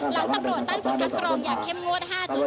หลังตำรวจตั้งจุดคัดกรองอย่างเข้มงวด๕จุด